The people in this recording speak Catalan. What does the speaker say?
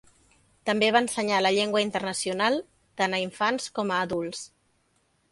També va ensenyar la llengua internacional, tant a infants com a adults.